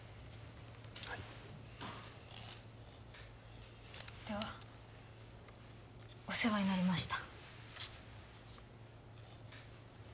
はいではお世話になりました